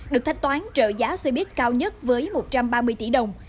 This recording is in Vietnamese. được thanh toán trợ giá xe buýt cao nhất với một trăm ba mươi tỷ đồng